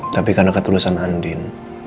tapi karena ketulusan andin